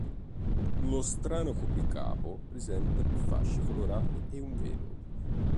Lo strano copricapo presenta più fasce colorate e un velo.